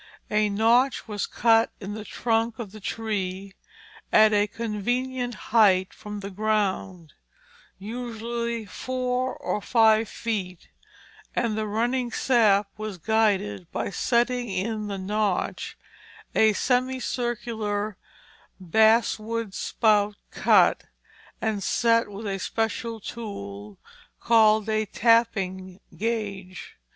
A notch was cut in the trunk of the tree at a convenient height from the ground, usually four or five feet, and the running sap was guided by setting in the notch a semicircular basswood spout cut and set with a special tool called a tapping gauge.